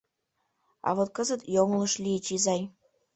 — А вот кызыт йоҥылыш лийыч, изай.